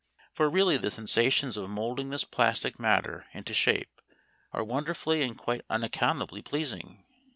For really the sensations of moulding this plastic matter into shape are wonderfully and quite unaccountably pleasing.